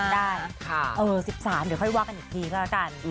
เดี๋ยวค่อยว่ากันอีกทีแล้วกัน